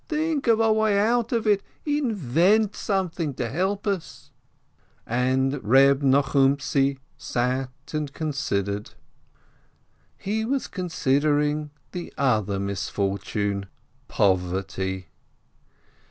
Think of a way out of it, invent something to help us !" And Reb Nochumtzi sat and considered. He was considering the other misfortune — poverty.